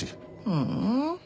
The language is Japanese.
ふん。